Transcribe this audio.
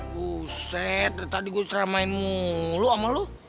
buset tadi gue ceramahin mulu sama lo